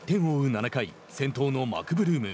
７回先頭のマクブルーム。